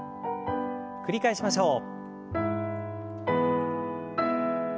繰り返しましょう。